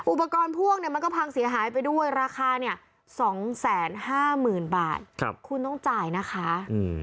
อุปกรณ์พ่วงเนี่ยมันก็พังเสียหายไปด้วยราคาเนี่ย๒๕๐๐๐บาทคุณต้องจ่ายนะคะ